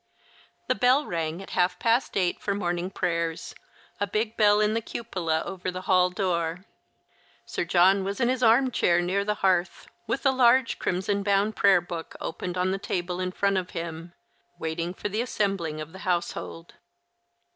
The bell rang at half past eight for morning prayers, a big bell in a cupola over the hall door. Sir John was in his armchair near the hearth, with the large crimson bound prayer book open on the table in front of him, waiting for the assembling of the household.